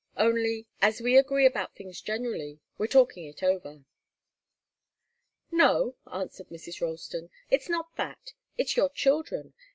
Only, as we agree about things generally, we're talking it over." "No," answered Mrs. Ralston. "It's not that. It's your children.